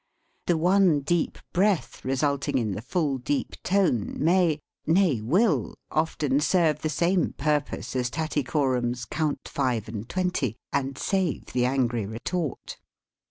The one deep breath resulting in the full, deep tone may nay, will often serve the same purpose as Tattycoram's " Count five and twenty," and save the angry retort.